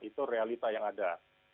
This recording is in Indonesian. itu realita yang ada